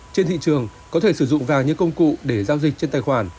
trên thị trường có thể sử dụng vàng như công cụ để giao dịch trên tài khoản